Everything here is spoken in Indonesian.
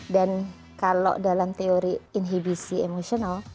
dan kalau dalam teori inhibisi emosional